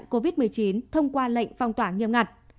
trong việc ngăn chặn covid một mươi chín thông qua lệnh phong tỏa nghiêm ngặt